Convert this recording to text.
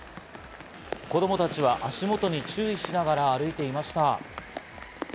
子供たちは足元に注意しながら歩いていました。